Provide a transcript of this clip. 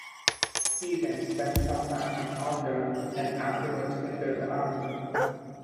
He then spent some time in Malta and afterwards entered the army.